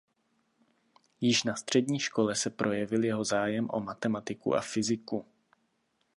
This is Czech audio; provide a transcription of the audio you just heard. Již na střední škole se projevil jeho zájem o matematiku a fyziku.